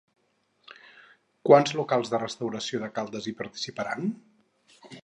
Quants locals de restauració de Caldes hi participaran?